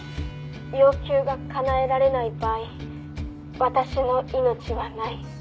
「要求がかなえられない場合私の命はない」